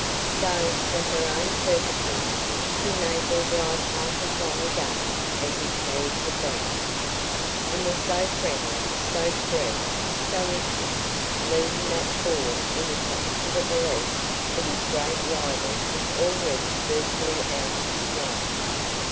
So, for her own purposes, she made their drive half as long again as it need have been. And was so friendly, so free, so intimate! leading that poor innocent to the belief that his great rival was already virtually out of his way.